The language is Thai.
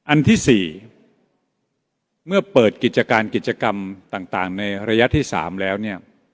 อันที่๔เมื่อเปิดกิจการกิจกรรมต่างในระยะที่๓แล้วเนี่ย